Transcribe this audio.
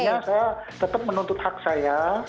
jadi saya tetap menuntut hak saya